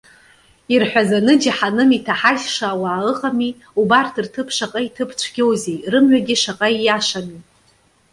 Ирҳәазаны џьаҳаным иҭаҳажьша ауаа ыҟами, убарҭ рҭыԥ шаҟа иҭыԥ цәгьоузеи, рымҩагьы шаҟа ииашами.